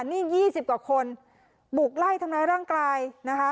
นี่๒๐กว่าคนบุกไล่ทำร้ายร่างกายนะคะ